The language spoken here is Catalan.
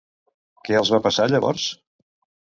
Què els va passar llavors?